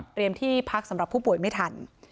ที่พักสำหรับผู้ป่วยไม่ทัน